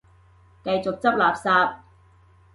繼續執垃圾